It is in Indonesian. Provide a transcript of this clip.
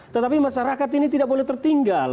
tetapi masyarakat ini tidak boleh tertinggal